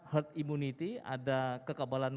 herd immunity ada kekebalan